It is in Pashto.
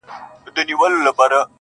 زه تر هغه گړيه روح ته پر سجده پرېوځم,